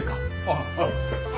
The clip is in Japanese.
ああ。